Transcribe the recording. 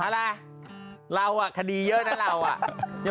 เอาละเราอะคดีเยอะนะเราอะ